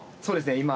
そうですね